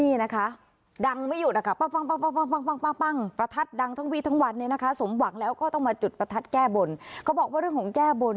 นี่นะคะดังไม่หยุดนะคะป้าง